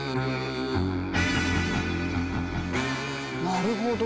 なるほど。